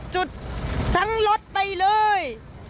จุดทั้งรถไปเลย